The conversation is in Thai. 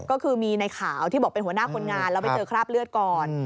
ก็คือมีในขาวที่บอกเป็นหัวหน้าคนงานแล้วไปเจอคราบเลือดก่อน